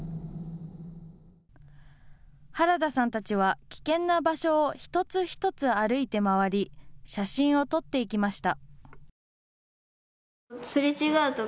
原田さんたちは危険な場所を一つ一つ歩いて回り、写真を撮っていきました。